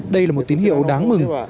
đây là một tín hiệu đáng mừng